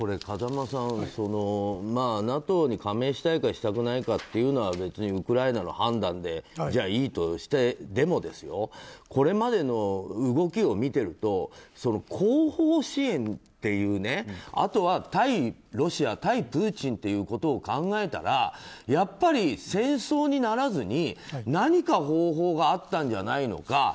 風間さん、ＮＡＴＯに加盟したいかしたくないかというのは別にウクライナの判断でいいとしてでも、これまでの動きを見てると後方支援っていうあとは対ロシア、対プーチンということを考えたらやっぱり戦争にならずに何か方法があったんじゃないのか。